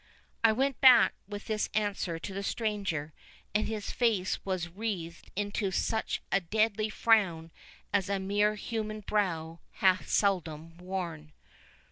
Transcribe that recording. I went back with this answer to the stranger, and his face was writhed into such a deadly frown as a mere human brow hath seldom worn.